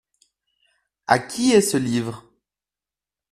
À qui est ce livre ?